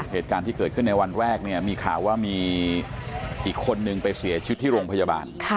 เหตุการณ์ที่เกิดขึ้นในวันแรกเนี่ยมีข่าวว่ามีอีกคนนึงไปเสียชีวิตที่โรงพยาบาล